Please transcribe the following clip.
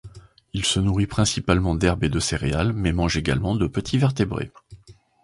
Il se nourrit principalement d'herbe et de céréales, mais mange également de petits vertébrés.